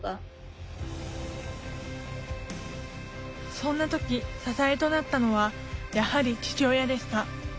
そんな時支えとなったのはやはり父親でした。